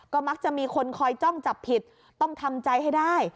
ก็มักจะมีคนคอยจ้องจับผิดต้องทำใจให้ได้